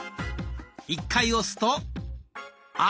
１回押すと「あ」。